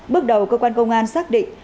bước đầu cơ quan công an xác định